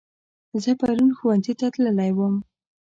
زه پرون ښوونځي ته تللی وم